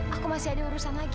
aku masih ada urusan lagi